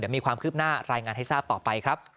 มีความคืบหน้ารายงานให้ทราบต่อไปครับ